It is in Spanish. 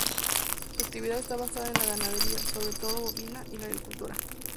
Su actividad está basada en la ganadería, sobre todo bovina, y la agricultura.